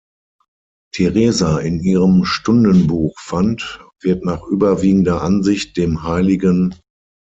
Teresa in ihrem Stundenbuch fand, wird nach überwiegender Ansicht dem hl.